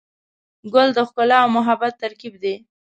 ګل د ښکلا او محبت ترکیب دی.